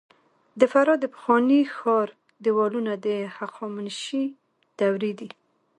د فراه د پخواني ښار دیوالونه د هخامنشي دورې دي